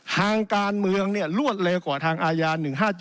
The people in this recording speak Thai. ทางการเมืองเนี่ยรวดเลกกว่าทางอาญา๑๕๗